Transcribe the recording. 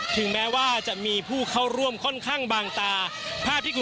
ผู้สื่อข่าวชนะทีวีจากฟิวเจอร์พาร์ครังสิตเลยนะคะ